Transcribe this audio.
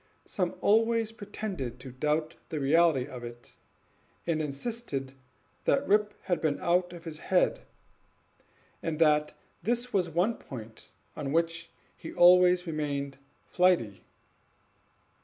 Some always pretended to doubt the reality of it, and insisted that Rip had been out of his head, and that this was one point on which he always remained flighty.